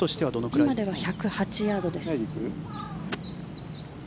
ピンまでは１０８ヤードです。